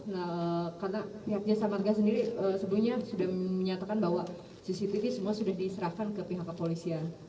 nah karena pihaknya samadga sendiri sebelumnya sudah menyatakan bahwa cctv semua sudah diserahkan ke pihak pihak polisian